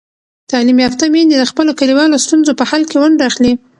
تعلیم یافته میندې د خپلو کلیوالو ستونزو په حل کې ونډه اخلي.